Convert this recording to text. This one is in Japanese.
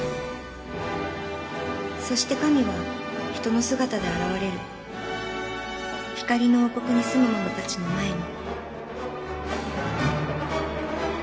「そして神は人の姿で現れる」「光の王国に住むものたちの前に」